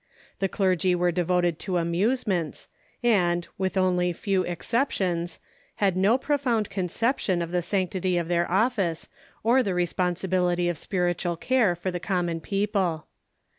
The clergy the Wesieyan ^vere devoted to amusements, and, with only few exceptions, had no profound conception of the sanc tity of their office or the responsibility of spiritual care for the common people.